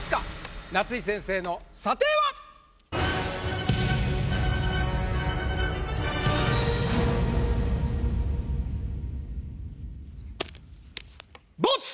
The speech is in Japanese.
夏井先生の査定は⁉ボツ！